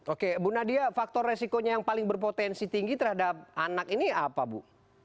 oke bu nadia faktor resikonya yang paling berpotensi tinggi terhadap anak ini apa bu